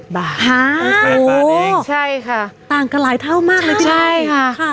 ใช่ค่ะต่างกันหลายเท่ามากเลยทีเดียวใช่ค่ะ